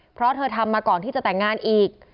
เพราะเธอทำมาก่อนที่จะแต่งงานอีก